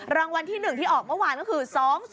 รางวัลที่๑ที่ออกเมื่อวานก็คือ๒๐